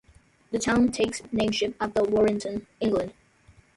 The town takes nameship after Warrington, England.